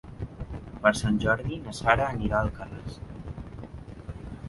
Per Sant Jordi na Sara anirà a Alcarràs.